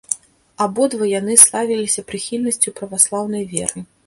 Абодва яны славіліся прыхільнасцю праваслаўнай веры.